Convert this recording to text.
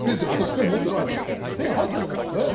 ペン入ってるじゃないですか。